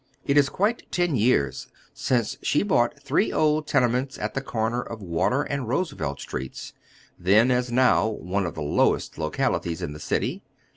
It is quite ten years since she bought three old tenements at the corner o£ "Water and Roosevelt Streets, then as now one of the lowest localities in the city.